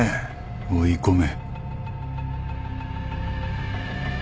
追い込め。